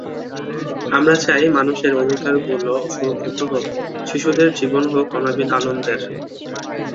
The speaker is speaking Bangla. আমরা চাই মানুষের অধিকারগুলো সুরক্ষিত হোক, শিশুদের জীবন হোক অনাবিল আনন্দের।